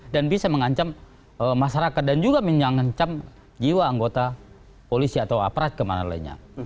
dan bisa mengancam masyarakat dan juga mengancam jiwa anggota polisi atau aparat kemana lainnya